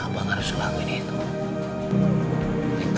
abang harus lakuin itu